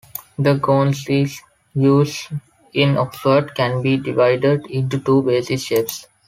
The gowns in use in Oxford can be divided into two basic shapes.